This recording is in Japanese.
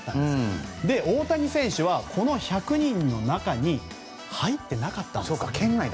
そして大谷選手はこの１００人の中に入ってなかったんです。